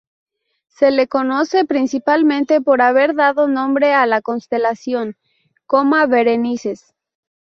Se le conoce principalmente por haber dado nombre a la constelación "Coma Berenices".